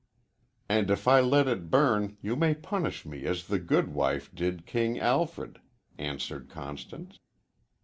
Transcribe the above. "And if I let it burn you may punish me as the goodwife did King Alfred," answered Constance.